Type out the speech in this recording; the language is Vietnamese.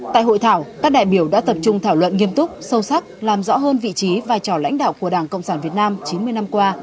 tại hội thảo các đại biểu đã tập trung thảo luận nghiêm túc sâu sắc làm rõ hơn vị trí vai trò lãnh đạo của đảng cộng sản việt nam chín mươi năm qua